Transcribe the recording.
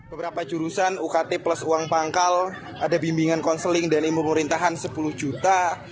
beberapa jurusan ukt plus uang pangkal ada bimbingan konseling dan ibu pemerintahan sepuluh juta